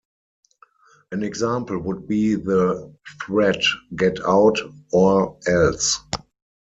An example would be the threat Get out, or else-!